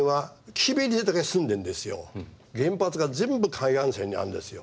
原発が全部海岸線にあるんですよ。